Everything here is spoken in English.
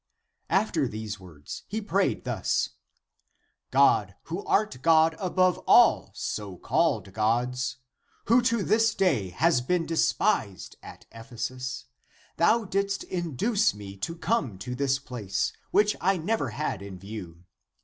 After these words he prayed thus: "God, who art God above all so called gods, who to this day has been despised at Ephesus, thou didst induce me to come to this place, which I never had in view.